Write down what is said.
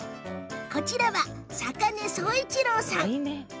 こちらは坂根壮一郎さん。